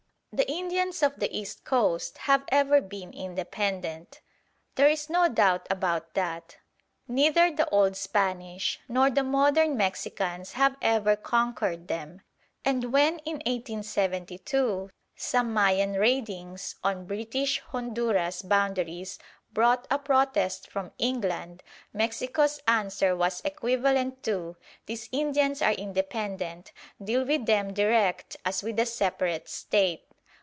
The Indians of the east coast have ever been independent. There is no doubt about that. Neither the old Spanish nor the modern Mexicans have ever conquered them; and when in 1872 some Mayan raidings on British Honduras boundaries brought a protest from England, Mexico's answer was equivalent to "These Indians are independent. Deal with them direct as with a separate State."